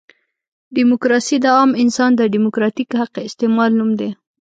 ډیموکراسي د عام انسان د ډیموکراتیک حق استعمال نوم دی.